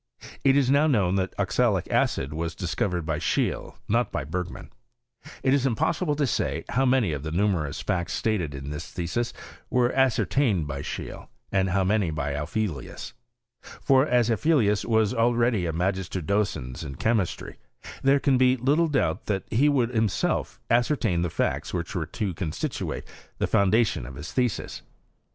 It is now known that oxalic acid was discovered by Scheele, not by Bergman. It is impossible to say how many PROGRESS OF CnEMlSTRY IS SWEDEN. 43" of the numerous facta stated in this thesis were ascertaLDed by Scheele, and how many by Afzeltus. For, as Afzelius was already a magister docens in chemistry, there can be little doubt that he would himself ascertain tlie facts which were to constitute the foundation of his thesis.